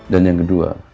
dan yang kedua